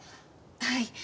はい。